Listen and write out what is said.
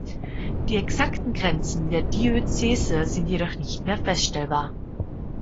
Die exakten Grenzen der Diözese sind jedoch nicht mehr feststellbar.